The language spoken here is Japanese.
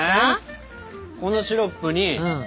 このシロップにこの。